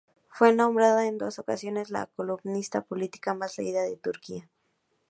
Fue nombrada en dos ocasiones la columnista política más leída de Turquía.